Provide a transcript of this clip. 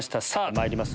まいります